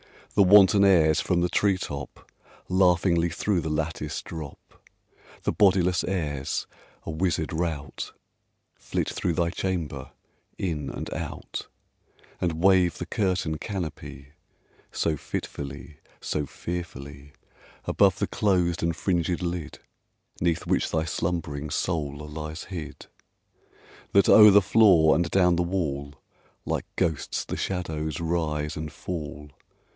The wanton airs, from the tree top, Laughingly through the lattice drop The bodiless airs, a wizard rout, Flit through thy chamber in and out, And wave the curtain canopy So fitfully so fearfully Above the closed and fringed lid 'Neath which thy slumb'ring soul lies hid, That, o'er the floor and down the wall, Like ghosts the shadows rise and fall!